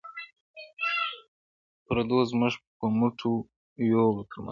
• پردو زموږ په مټو یووړ تر منزله..